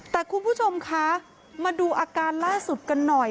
แต่คุณผู้ชมคะมาดูอาการล่าสุดกันหน่อย